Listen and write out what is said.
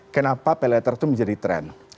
kenapa pay later itu menjadi tren